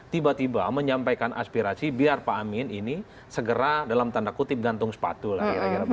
tiba tiba menyampaikan aspirasi biar pak amin ini segera dalam tanda kutip gantung sepatu lah